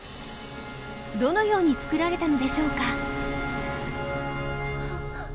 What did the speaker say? どのように作られたのでしょうか？